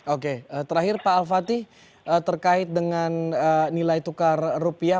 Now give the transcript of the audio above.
oke terakhir pak alfati terkait dengan nilai tukar rupiah